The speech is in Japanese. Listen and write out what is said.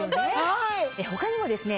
他にもですね